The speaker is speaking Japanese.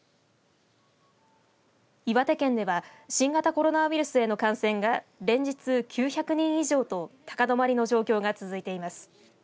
岩手県では新型コロナウイルスへの感染が連日９００人以上と高止まりの状況が続いています。